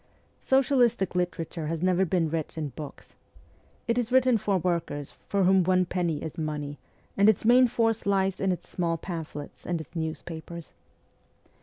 Socialistic literature has never been rich in books. It is written for workers, for whom one penny is money, and its main force lies in its small pamphlets and its newspapers.